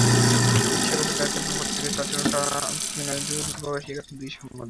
পেশাগত দায়িত্ব পালন করতে গিয়ে চট্টগ্রামের সাতকানিয়ায় দুর্ব্যবহারের শিকার হয়েছেন দুই সাংবাদিক।